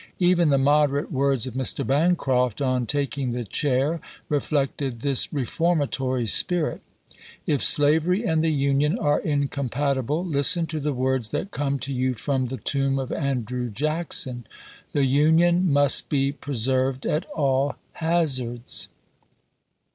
Even the moderate words of Mr. Bancroft on taking the chair reflected this reformatory spmt :" If slavery and the Union are incompatible, listen to the words that come to you from the tomb of Andrew Jackson: 'The Union must be preserved at all hazards.'